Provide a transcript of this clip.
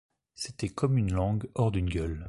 C’était comme une langue hors d’une gueule.